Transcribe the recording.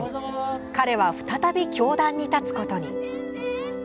彼は再び教壇に立つことに。